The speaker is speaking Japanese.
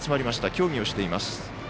協議をしています。